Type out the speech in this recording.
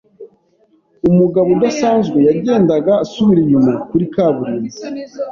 Umugabo udasanzwe yagendaga asubira inyuma kuri kaburimbo.